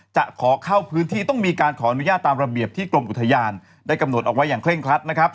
จะขอเข้าพื้นที่ต้องมีการขออนุญาตตามระเบียบที่กรมอุทยานได้กำหนดเอาไว้อย่างเร่งครัดนะครับ